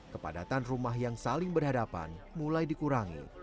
kepadatan rumah yang saling berhadapan mulai dikurangi